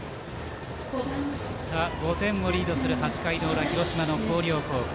５点リードする８回の裏広島の広陵高校。